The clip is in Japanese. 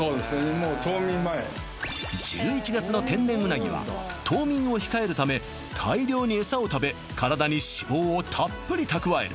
もう冬眠前１１月の天然うなぎは冬眠を控えるため大量に餌を食べ体に脂肪をたっぷり蓄える